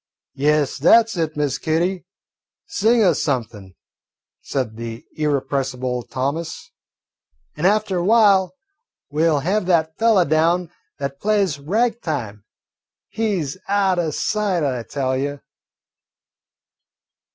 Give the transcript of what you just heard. "Yes, that 's it, Miss Kitty, sing us something," said the irrepressible Thomas, "an' after while we 'll have that fellah down that plays 'Rag time.' He 's out o' sight, I tell you."